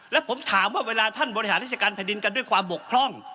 และผมถามว่าเวลาท่านบริหารราชการแผ่นดินกันด้วยความบกพร่อง